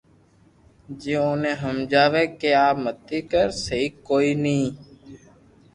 جي اوني ھمجاوي ڪي آ متي ڪر سھي ڪوئي ني ث